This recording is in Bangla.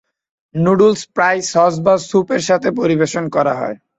নুডলস প্রায়ই সস বা স্যুপের সাথে পরিবেশন করা হয়।